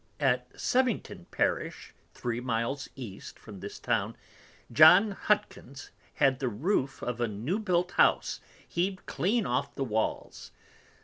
At Sevington Parish, three Miles East from this Town, John Hutkens had the Roof of a new built House heaved clean off the Walls.